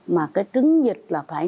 mà cái trứng vịt là phải